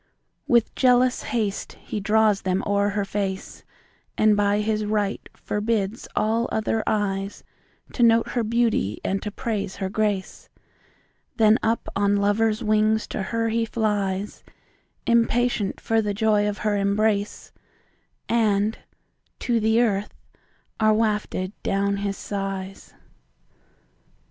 With jealous haste he draws them o'er her face, And by his right forbids all other eyesTo note her beauty and to praise her grace; Then up on lover's wings to her he fliesImpatient for the joy of her embrace; And to the earth are wafted down his sighs.